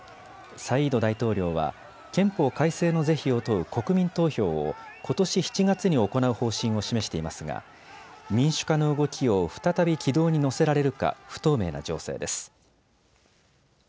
サイード大統領は憲法改正の是非を問う国民投票をことし７月に行う方針を示していますが民主化の動きを再び軌道に乗せられるか不透明な情勢です。